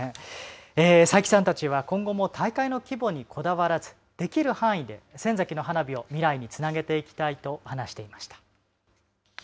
斎木さんたちは今後も大会の規模にこだわらず、できる範囲で仙崎の花火を未来につなげていきたいと話していました。